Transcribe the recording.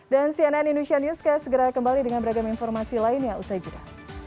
dan cnn indonesia newscast segera kembali dengan beragam informasi lainnya usai juga